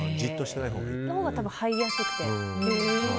そのほうが多分、入りやすくて。